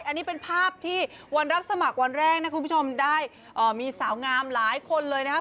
อันนี้เป็นภาพที่วันรับสมัครวันแรกนะคุณผู้ชมได้มีสาวงามหลายคนเลยนะครับ